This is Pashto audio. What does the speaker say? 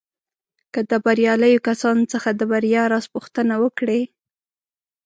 که د برياليو کسانو څخه د بريا راز پوښتنه وکړئ.